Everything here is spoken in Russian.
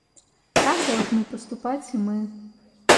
Так должны поступать и мы.